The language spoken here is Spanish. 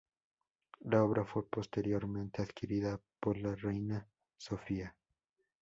La obra fue posteriormente adquirida por el Reina Sofía.